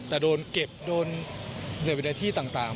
แต่โดนเก็บโดนในที่ต่าง